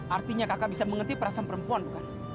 artinya kakak bisa mengerti perasaan perempuan bukan